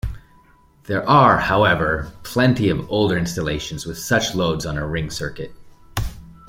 There are however plenty of older installations with such loads on a ring circuit.